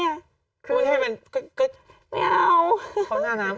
ไม่เอา